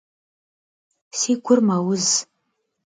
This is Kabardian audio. Си гур мэуз.